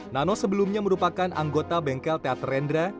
nano sebelumnya merupakan anggota bengkel teater rendra